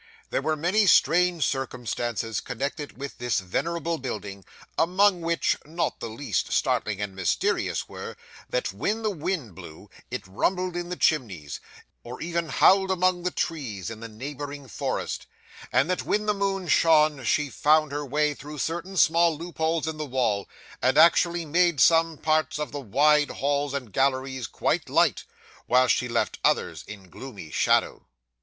There were many strange circumstances connected with this venerable building, among which, not the least startling and mysterious were, that when the wind blew, it rumbled in the chimneys, or even howled among the trees in the neighbouring forest; and that when the moon shone, she found her way through certain small loopholes in the wall, and actually made some parts of the wide halls and galleries quite light, while she left others in gloomy shadow.